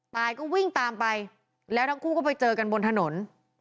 ตายก็วิ่งตามไปแล้วทั้งคู่ก็ไปเจอกันบนถนน